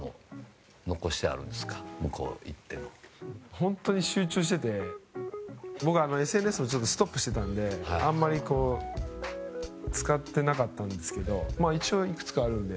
本当に集中してて僕、ＳＮＳもストップしてたんであんまり使ってなかったんですけど一応、いくつかあるんで。